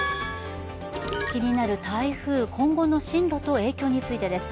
気になる台風、今後の進路と影響についてです。